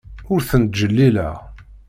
Ur ten-ttjellileɣ.